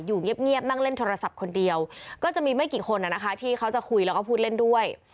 เงียบนั่งเล่นโทรศัพท์คนเดียวก็จะมีไม่กี่คนที่เขาจะคุยแล้วก็พูดเล่นด้วย